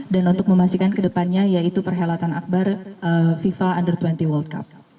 untuk memastikan ke depannya yaitu perhelatan akbar fifa under dua puluh world cup